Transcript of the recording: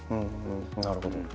なるほど。